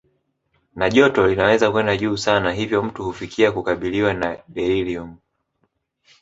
Na joto linaweza kwenda juu sana hivyo mtu hufikia kukabiliwa na deliriumu